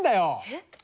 えっ？